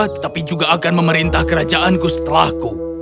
tetapi juga akan memerintah kerajaanku setelahku